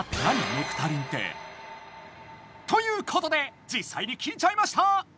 ネクタリンって。ということでじっさいに聞いちゃいました！